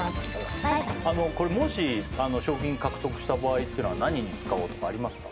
これもし賞金獲得した場合ってのは何に使おうとかありますか？